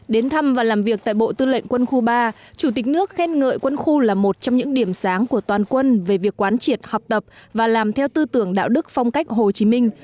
đến thăm và làm việc tại bộ tư lệnh quân khu ba chủ tịch nước khen ngợi quân khu là một trong những điểm sáng của toàn quân về việc quán triệt học tập và làm theo tư tưởng đạo đức phong cách hồ chí minh